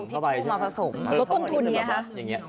เขาเอาทิชชู่มาผสมลดกลุ่นทุนไงฮะอย่างเงี้ย